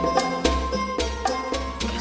suara pak mustaqim